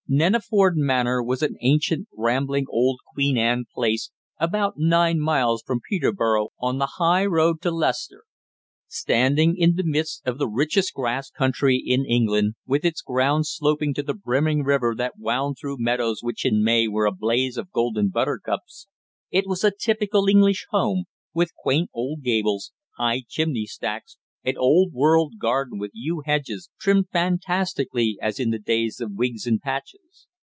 Neneford Manor was an ancient, rambling old Queen Anne place, about nine miles from Peterborough on the high road to Leicester. Standing in the midst of the richest grass country in England, with its grounds sloping to the brimming river that wound through meadows which in May were a blaze of golden buttercups, it was a typical English home, with quaint old gables, high chimney stacks and old world garden with yew hedges trimmed fantastically as in the days of wigs and patches.